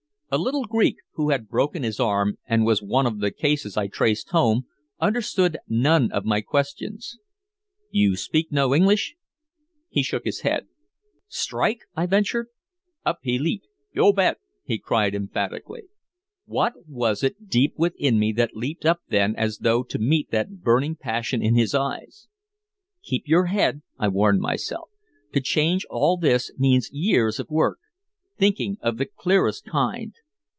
A little Greek, who had broken his arm and was one of the cases I traced home, understood none of my questions. "You speak no English?" He shook his head. "Strike!" I ventured. Up he leaped. "Yo' bet!" he cried emphatically. What was it deep within me that leaped up then as though to meet that burning passion in his eyes? "Keep your head," I warned myself. "To change all this means years of work thinking of the clearest kind.